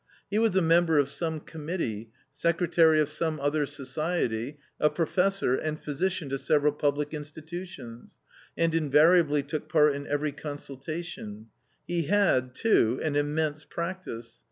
He was a member of some committee, secretary of some other society, a professor, and physician to several public institutions, and invariably took part in every consultation ; he had too, an immense practice.